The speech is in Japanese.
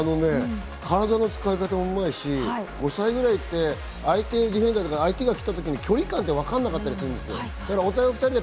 体の使い方もうまいし、５歳ぐらいって相手ディフェンダーとか、相手が来たとき距離感がわからなかったりする。